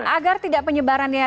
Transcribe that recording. agar tidak penyebarannya